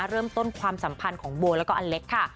เริ่มต้นความสัมพันธ์ของโบแล้วก็อเล็กค่ะ